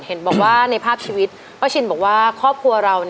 เห็นบอกว่าในภาพชีวิตป้าชินบอกว่าครอบครัวเรา